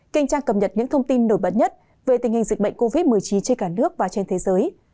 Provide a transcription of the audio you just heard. kinh trang cập nhật những thông tin nổi bật nhất về tình hình dịch bệnh covid một mươi chín trên cả nước và trên thế giới